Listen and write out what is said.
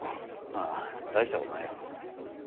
ああ大したことないよ。